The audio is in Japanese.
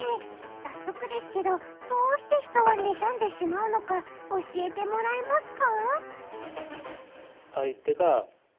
早速ですけどどうして人は妬んでしまうのか教えてもらえますか？